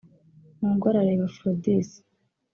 Mungwarareba Aphrodis